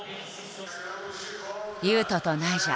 雄斗とナイジャ。